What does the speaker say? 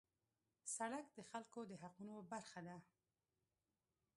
سړک د خلکو د حقونو برخه ده.